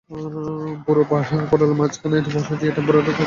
পুর পটোলের মাঝখানে ভরে দিয়ে টেম্পুরার তৈরি মিশ্রণে ডুবিয়ে ভেজে নিতে হবে।